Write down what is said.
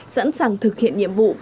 sẵn sàng thực hiện nhiệm vụ